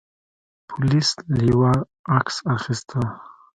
پولیس له هر یوه عکس اخیسته.